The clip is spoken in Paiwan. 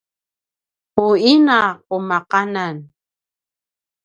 u ina qumaqanan